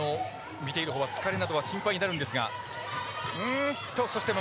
見ているほうは疲れなどが心配になるんですが。